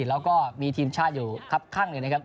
แล้วก็มีทีมชาติอยู่ครับข้างเลยนะครับ